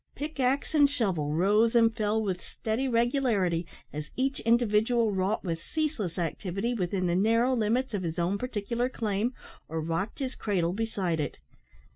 Pick axe and shovel rose and fell with steady regularity as each individual wrought with ceaseless activity within the narrow limits of his own particular claim, or rocked his cradle beside it.